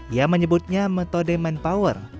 ia menyebutnya metode mind power